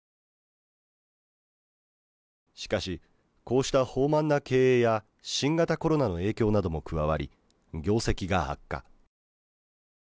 しかし、こうした放漫な経営や新型コロナの影響なども加わり業績が悪化。